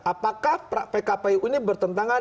apakah pkpu ini bertentangan